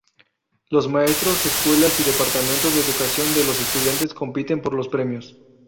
Los maestros, escuelas y departamentos de educación de los estudiantes compiten por los premios.